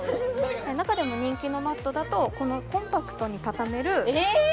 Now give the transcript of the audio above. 中でも人気のマットだとこのコンパクトに畳めるえ！？